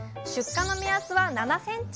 出荷の目安は７ｃｍ。